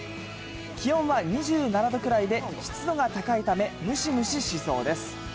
気温は２７度くらいで湿度が高いため、ムシムシしそうです。